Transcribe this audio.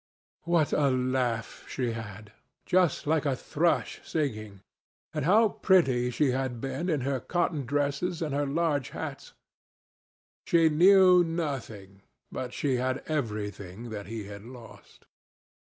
What a laugh she had!—just like a thrush singing. And how pretty she had been in her cotton dresses and her large hats! She knew nothing, but she had everything that he had lost.